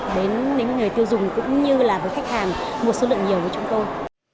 đến những người tiêu dùng cũng như là với khách hàng một số lượng nhiều của chúng tôi